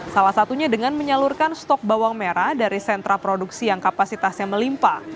salah satunya dengan menyalurkan stok bawang merah dari sentra produksi yang kapasitasnya melimpa